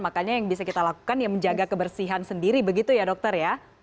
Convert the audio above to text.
makanya yang bisa kita lakukan ya menjaga kebersihan sendiri begitu ya dokter ya